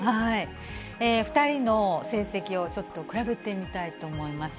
２人の成績をちょっと比べてみたいと思います。